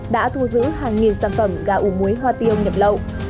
đã thu giữ hàng nghìn sản phẩm gà ủ muối hoa tiêu nhập lậu